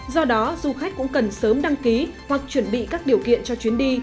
do đó du khách cũng cần sớm đăng ký hoặc chuẩn bị các điều kiện cho chuyến đi